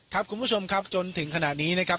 ครับคุณผู้ชมครับจนถึงขณะนี้นะครับ